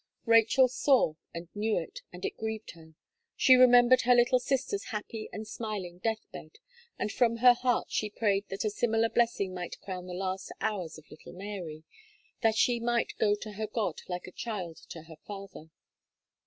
Rachel saw and knew it, and it grieved her. She remembered her little sister's happy and smiling death bed, and from her heart she prayed that a similar blessing might crown the last hours of little Mary; that she might go to her God like a child to her father.